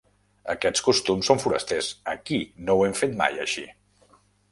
Aquests costums són forasters: aquí no ho hem fet mai així!